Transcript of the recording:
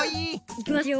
いきますよ。